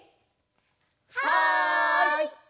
はい！